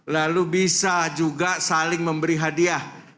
lalu bisa juga saling memberi hadiah